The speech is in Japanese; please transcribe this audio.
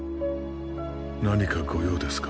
何か御用ですか？